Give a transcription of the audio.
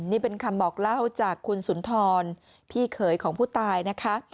นี่เป็นคำบอกเล่าจากคุณสุนทรพี่เขยของผู้ตายนะคะ